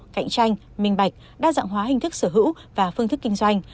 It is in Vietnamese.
cạnh tranh minh bạch đa dạng hóa hình thức sở hữu và phương thức kinh doanh